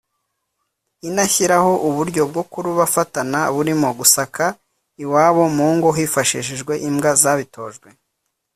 inashyiraho uburyo bwo kurubafatana burimo gusaka iwabo mu ngo yifashishije imbwa zabitojwe